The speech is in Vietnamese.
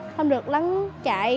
không được lắng chạy